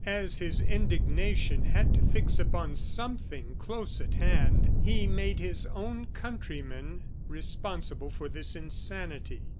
As his indignation had to fix upon something close at hand, he made his own countrymen responsible for this insanity.